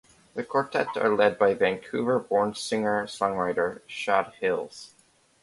The quartet are led by Vancouver-born singer-songwriter Shad Hills.